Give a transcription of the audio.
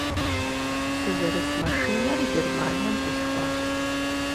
Сызэрыс машинэр Германием къисхуащ.